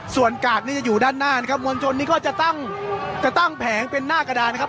ส่วนกาดนี่จะอยู่ด้านหน้านะครับมวลชนนี้ก็จะตั้งจะตั้งแผงเป็นหน้ากระดานนะครับ